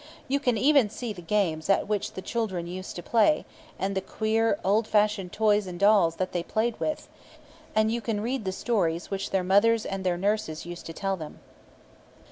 You can even see the games at which the children used to play, and the queer old fashioned toys and dolls that they played with, and you can read the stories which their mothers and their nurses used to tell them.